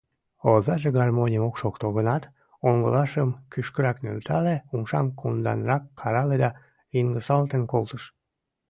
Озаже гармоньым ок шокто гынат, оҥылашым кӱшкырак нӧлтале, умшам кумданрак карале да йыҥысалтен колтыш.